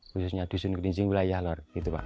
khususnya dusun kerinjing wilayah lor